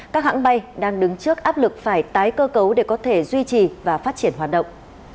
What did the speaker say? các hãng bay đang đứng trước áp lực phải tái cơ cấu để có thể duy trì và phát triển hoạt động